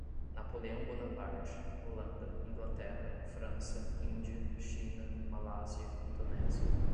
Napoleão Bonaparte, Holanda, Inglaterra, França, Índia, China, Malásia, Indonésia